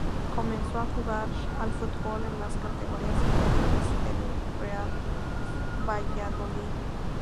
Comenzó a jugar al fútbol en las categorías inferiores del Real Valladolid.